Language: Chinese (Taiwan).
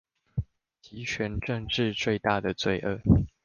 極權玫治最大的罪惡